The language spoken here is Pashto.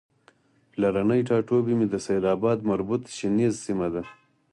پلرنی ټاټوبی مې د سیدآباد مربوط شنیز سیمه ده